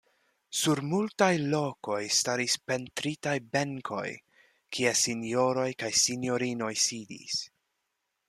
Sur multaj lokoj staris pentritaj benkoj, kie sinjoroj kaj sinjorinoj sidis.